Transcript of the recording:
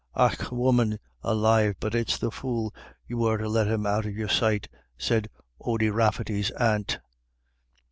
"Och, woman alive, but it's the fool you were to let him out of your sight," said Ody Rafferty's aunt.